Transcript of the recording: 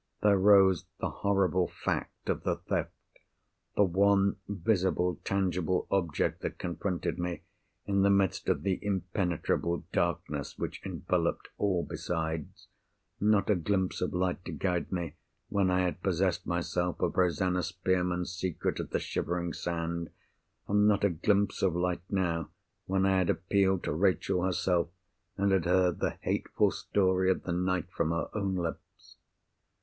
There rose the horrible fact of the Theft—the one visible, tangible object that confronted me, in the midst of the impenetrable darkness which enveloped all besides! Not a glimpse of light to guide me, when I had possessed myself of Rosanna Spearman's secret at the Shivering Sand. And not a glimpse of light now, when I had appealed to Rachel herself, and had heard the hateful story of the night from her own lips.